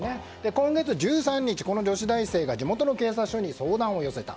今月１３日、女子大生が地元の警察署に相談を寄せた。